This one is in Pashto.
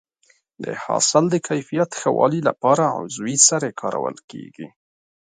د حاصل د کیفیت ښه والي لپاره عضوي سرې کارول کېږي.